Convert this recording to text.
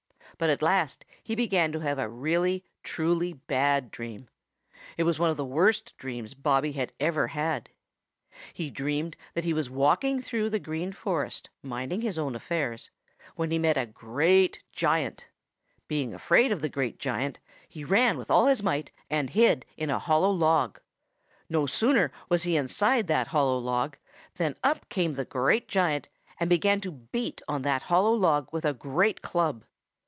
But at last he began to have a really, truly, bad dream. It was one of the worst dreams Bobby ever had had. He dreamed that he was walking through the Green Forest, minding his own affairs, when he met a great giant. Being afraid of the great giant, he ran with all his might and hid in a hollow log. No sooner was he inside that hollow log than up came the great giant and began to beat on that hollow log with a great club.